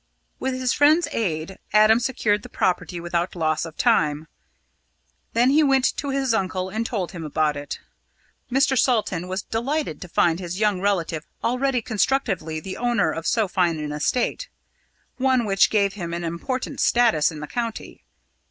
With his friend's aid, Adam secured the property without loss of time. Then he went to see his uncle, and told him about it. Mr. Salton was delighted to find his young relative already constructively the owner of so fine an estate one which gave him an important status in the county.